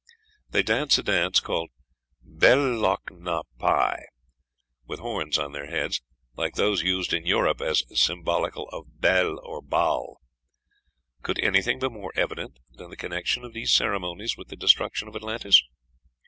They dance a dance called Bel lohck na pie,'" with horns on their heads, like those used in Europe as symbolical of Bel, or Baal. Could anything be more evident than the connection of these ceremonies with the destruction of Atlantis?